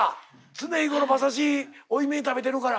常日頃馬刺し多いめに食べてるから。